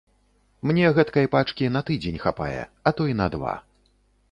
Мне гэткай пачкі на тыдзень хапае, а то і на два.